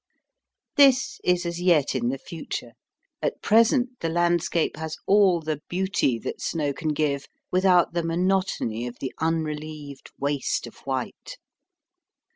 This is as yet in the future. At present the landscape has all the beauty that snow can give without the monotony of the unrelieved waste of white.